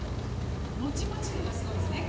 もちもち度がすごいんですねきっとね。